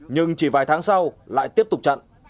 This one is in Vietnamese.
nhưng chỉ vài tháng sau lại tiếp tục chặn